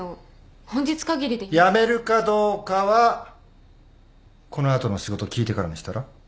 辞めるかどうかはこの後の仕事聞いてからにしたら？